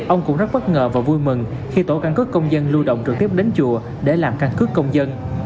ông cũng rất bất ngờ và vui mừng khi tổ căn cứ công dân lưu động trực tiếp đến chùa để làm căn cước công dân